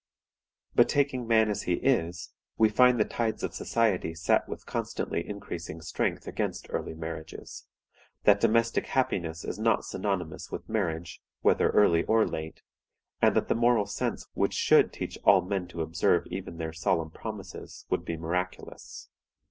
But, taking man as he is, we find the tides of society set with constantly increasing strength against early marriages; that domestic happiness is not synonymous with marriage, whether early or late; and that the moral sense which should teach all men to observe even their solemn promises would be miraculous.